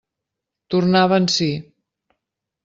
Tornava en si.